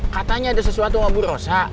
katanya ada sesuatu sama bu rosa